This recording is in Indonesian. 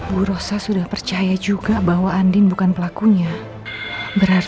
bu rosa sudah percaya juga bahwa andin bukan pelaku yang berpikir